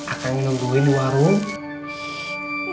akan nungguin warung